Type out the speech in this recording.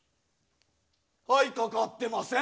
はいかかってません。